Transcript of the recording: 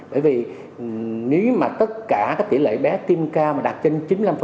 bởi vì nếu mà tất cả tỷ lệ bé tiêm cao mà đạt trên chín mươi năm